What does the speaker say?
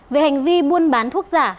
về hành vi buôn bán thuốc giả